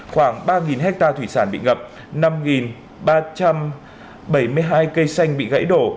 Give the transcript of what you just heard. khoảng ba hectare thủy sản bị ngập năm ba trăm bảy mươi hai cây xanh bị gãy đổ